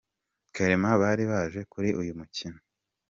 Clement bari baje kuri uyu mukino.